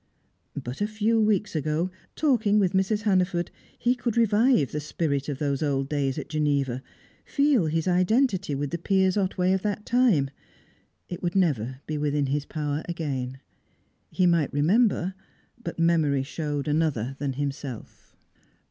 But a few weeks ago, talking with Mrs. Hannaford, he could revive the spirit of those old days at Geneva, feel his identity with the Piers Otway of that time. It would never be within his power again. He might remember, but memory showed another than himself.